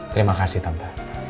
terima kasih tante